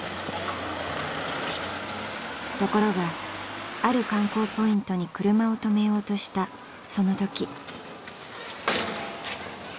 ［ところがある観光ポイントに車を止めようとしたそのとき］